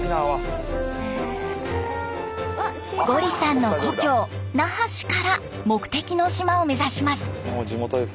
ゴリさんの故郷那覇市から目的の島を目指します。